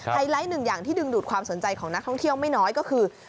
ไลท์หนึ่งอย่างที่ดึงดูดความสนใจของนักท่องเที่ยวไม่น้อยก็คือ